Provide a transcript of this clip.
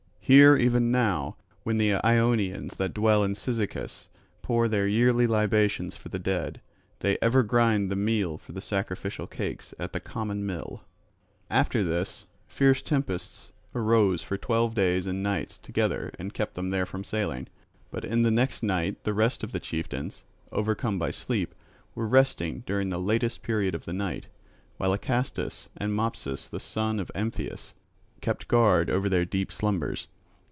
Here even now, when the Ionians that dwell in Cyzicus pour their yearly libations for the dead, they ever grind the meal for the sacrificial cakes at the common mill. After this, fierce tempests arose for twelve days and nights together and kept them there from sailing. But in the next night the rest of the chieftains, overcome by sleep, were resting during the latest period of the night, while Acastus and Mopsus the son of Ampyeus kept guard over their deep slumbers.